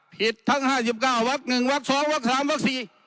ทั้ง๕๙วัก๑วัก๒วัก๓วัก๔